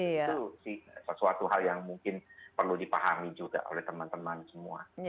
itu sesuatu hal yang mungkin perlu dipahami juga oleh teman teman semua